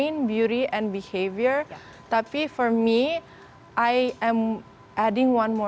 yang pastinya itu yayasan putri indonesia sudah memiliki tiga kriteria